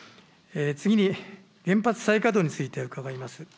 次に原発再稼働について伺います。